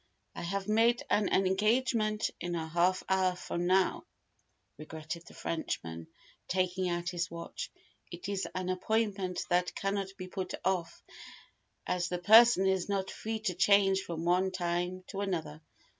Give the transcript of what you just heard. "I have made an engagement in a half hour from now," regretted the Frenchman, taking out his watch. "It is an appointment that cannot be put off, as the person is not free to change from one time to another.